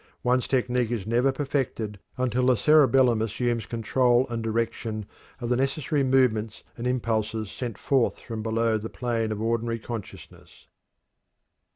One's technique is never perfected until the cerebellum assumes control and direction of the necessary movements and the impulses are sent forth from below the plane of ordinary consciousness.